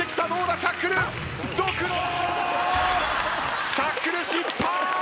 シャッフル失敗！